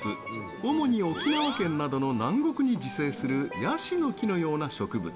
主に沖縄県などの南国に自生するヤシの木のような植物。